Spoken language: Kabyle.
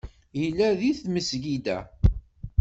Yella deg tmesgida.